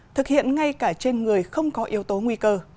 thực hiện ngay cả trên người không có yếu tố nguy cơ